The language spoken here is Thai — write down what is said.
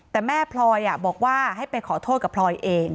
แต่แม่พลอยบอกว่าให้ไปขอโทษกับพลอยเอง